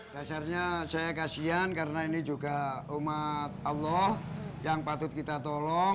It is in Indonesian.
dasarnya saya kasian karena ini juga umat allah yang patut kita tolong